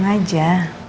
kamu tenang aja